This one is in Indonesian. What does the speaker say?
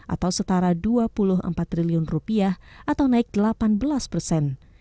atau setara dua puluh empat triliun rupiah atau naik delapan belas persen